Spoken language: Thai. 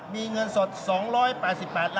มีเงินสด๒๘๘ล้าน